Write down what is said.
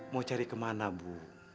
mau cari kemana bu